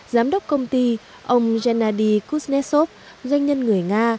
giám đốc công ty ông gennady kuznetsov doanh nhân người nga